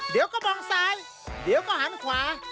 เดี๋ยวก็มองซ้ายเดี๋ยวก็หันขวา